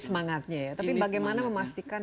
semangatnya ya tapi bagaimana memastikan